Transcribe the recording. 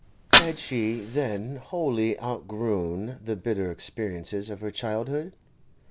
Had she, then, wholly outgrown the bitter experiences of her childhood?